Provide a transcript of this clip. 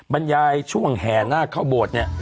บรรยายช่วงแห่นาคเข้าโบสถ์เนี่ย